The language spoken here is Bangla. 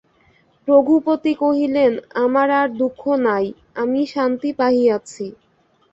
রঘুপতি কহিলেন, আমার আর দুঃখ নাই–আমি শান্তি পাইয়াছি।